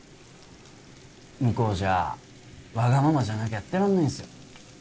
向こうじゃわがままじゃなきゃやってらんないんっすよ